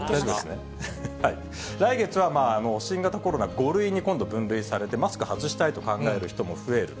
来月は新型コロナ、５類に今度分類されて、マスク外したいと考える人も増える。